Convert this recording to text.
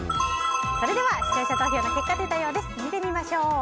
それでは視聴者投票の結果を見てみましょう。